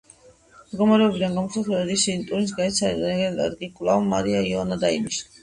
მდგომარეობიდან გამოსასვლელად ისინი ტურინს გაეცალნენ, რეგენტად კი კვლავ მარია იოანა დაინიშნა.